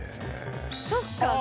そっか。